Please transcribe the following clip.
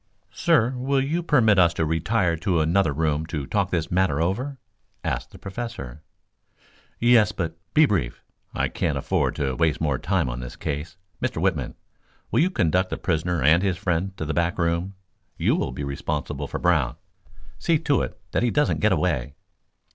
"Sir, will you permit us to retire to another room to talk this matter over?" asked the Professor. "Yes, but be brief. I can't afford to waste more time on this case. Mr. Whitman, will you conduct the prisoner and his friends to the back room? You will be responsible for Brown. See to it that he doesn't get away."